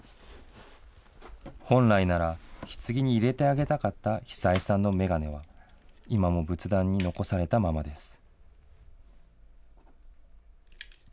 本来なら、ひつぎに入れてあげたかった久枝さんの眼鏡は、今も仏壇に残されたままです。